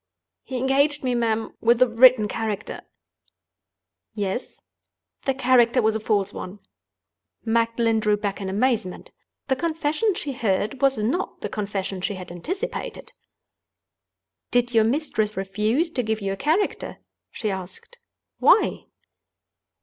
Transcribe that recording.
"He engaged me, ma'am, with a written character—" "Yes?" "The character was a false one." Magdalen drew back in amazement. The confession she heard was not the confession she had anticipated. "Did your mistress refuse to give you a character?" she asked. "Why?"